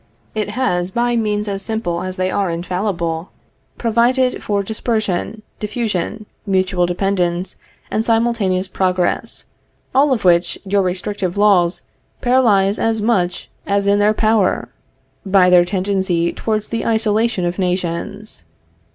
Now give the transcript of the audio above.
It has, by means as simple as they are infallible, provided for dispersion, diffusion, mutual dependence, and simultaneous progress; all of which, your restrictive laws paralyze as much as is in their power, by their tendency towards the isolation of nations.